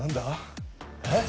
えっ？